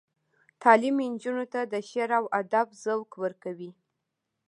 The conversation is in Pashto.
تعلیم نجونو ته د شعر او ادب ذوق ورکوي.